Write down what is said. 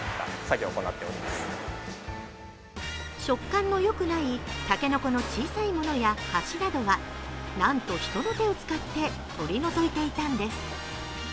食感のよくないたけのこの小さいものや端などはなんと、人の手を使って取り除いていたんです。